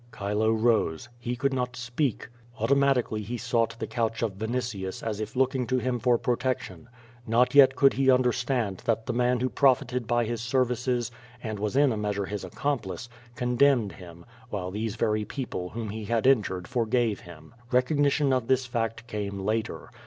Chilo rose. He could not speak. Automatically he sought the couch of Vinitius, as if looking to him for protection. Not yet could he understand that the man who profited by his 8cr\'ices and was in a measure his accomplice, condemned him, while these very people whom he had injured forgave him. Recognition of this fact came later.